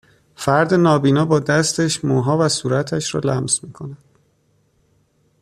فرد نابینا با دستش موها و صورتش را لمس میکند